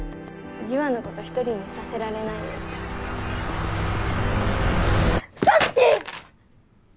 優愛のこと一人にさせられないようそつき！